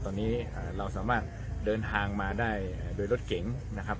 ตอนนี้เราสามารถเดินทางมาได้โดยรถเก๋งนะครับ